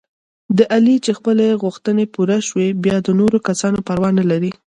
د علي چې خپلې غوښتنې پوره شي، بیا د نورو کسانو پروا نه لري.